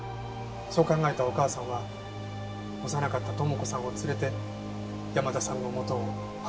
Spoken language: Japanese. そう考えたお母さんは幼かった友子さんを連れて山田さんの元を離れたんです。